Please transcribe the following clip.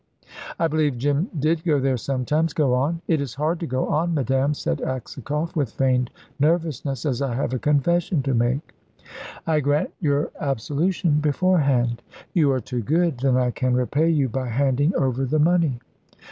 "I believe Jim did go there sometimes. Go on." "It is hard to go on, madame," said Aksakoff, with feigned nervousness, "as I have a confession to make." "I grant you absolution beforehand." "You are too good. Then I can repay you by handing over the money."